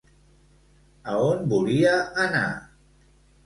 A on volia anar?